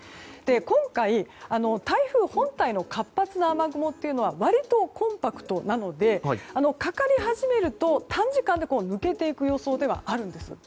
今回、台風本体の活発な雨雲というのはわりとコンパクトなのでかかり始めると短時間で抜けていく予想ではあるんです。